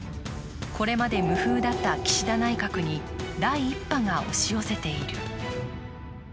これまで無風だった岸田内閣に第１波が押し寄せている。